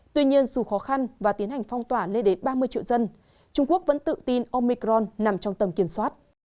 tuy nhiên dù khó khăn và tiến hành phong tỏa lên đến ba mươi triệu dân trung quốc vẫn tự tin omicron nằm trong tầm kiểm soát